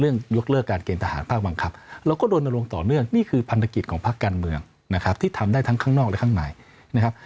เรื่องยวกเลือกการเกณฑ์ทหารป้ากบังคับเราก็ลงต่อนี่คือภัณฑกิจของภาคการเมืองนะครับที่ทำได้ทั้งนอกและข้างในนะครับ